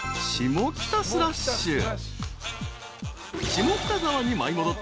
［下北沢に舞い戻った２人］